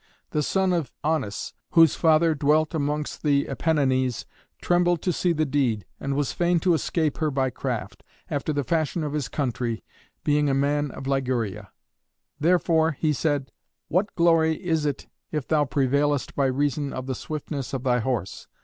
The son of Aunus, whose father dwelt amongst the Apennines, trembled to see the deed, and was fain to escape her by craft, after the fashion of his country, being a man of Liguria. Therefore he said, "What glory is it if thou prevailest by reason of the swiftness of thy horse?